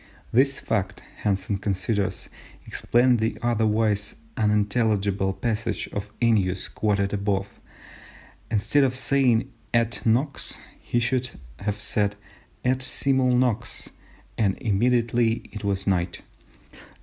This fact, Hansen considers, explains the otherwise unintelligible passage of Ennius quoted above: instead of saying et nox, he should have said et simul nox, "and immediately it was night."